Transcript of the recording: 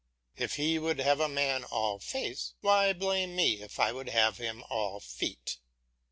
If he would have a man all face, why blame me if I would have him all feet?